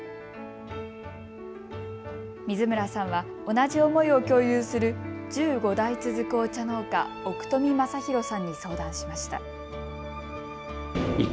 水村さんは同じ思いを共有する１５代続くお茶農家、奥富雅浩さんに相談しました。